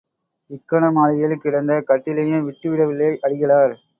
இக்கனக மாளிகையில் கிடந்த கட்டிலையும் விட்டு விடவில்லை அடிகளார்.